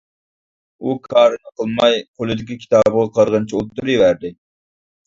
ئۇ كارىنى قىلماي قولىدىكى كىتابىغا قارىغىنىچە ئولتۇرۇۋەردى.